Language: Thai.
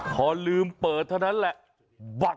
พอลืมเปิดเท่านั้นแหละ